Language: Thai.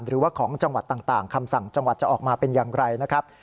หรือว่าของจังหวัดต่างคำสั่งจังหวัดจะออกมาเป็นอย่างไรนะครับ